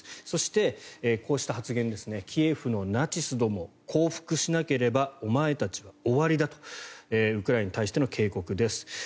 そして、こうした発言ですねキエフのナチスども降伏しなければお前たちは終わりだとウクライナに対しての警告です。